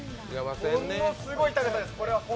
ものすごい高さです。